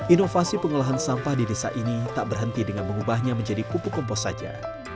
inovasi pengolahan sampah di desa ini tak berhenti dengan mengubahnya menjadi pupuk kompos saja